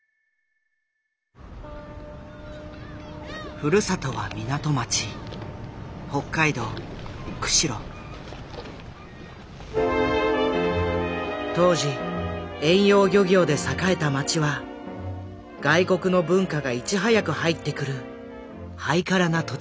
ふるさとは港町当時遠洋漁業で栄えた町は外国の文化がいち早く入ってくるハイカラな土地柄。